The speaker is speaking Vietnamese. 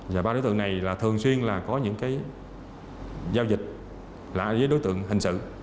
và ba đối tượng này thường xuyên có những giao dịch với đối tượng hình sự